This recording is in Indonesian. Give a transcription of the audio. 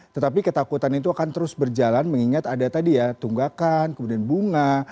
tetapi ketakutan itu akan terus berjalan mengingat ada tadi ya tunggakan kemudian bunga